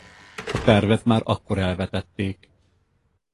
A tervet már akkor elvetették.